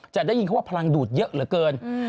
ได้ยินเขาว่าพลังดูดเยอะเหลือเกิน